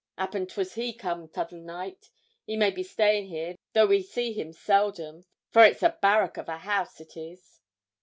''Appen 'twas he come 'tother night. He may be staying here, though we see him seldom, for it's a barrack of a house it is.'